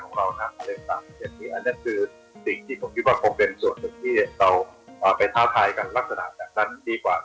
อันนั้นคือสิ่งที่ผมคิดว่าคงเป็นส่วนหนึ่งที่เราไปท้าทายกันลักษณะแบบนั้นดีกว่า